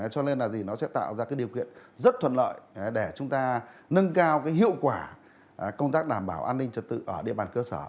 cho nên là gì nó sẽ tạo ra cái điều kiện rất thuận lợi để chúng ta nâng cao hiệu quả công tác đảm bảo an ninh trật tự ở địa bàn cơ sở